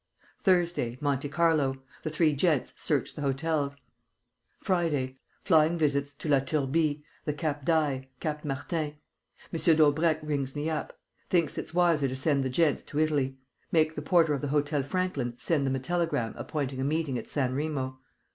"Thursday. Monte Carlo. The three gents search the hotels. "Friday. Flying visits to La Turbie, the Cap d'Ail, Cap Martin. M. Daubrecq rings me up. Thinks it wiser to send the gents to Italy. Make the porter of the Hôtel Franklin send them a telegram appointing a meeting at San Remo.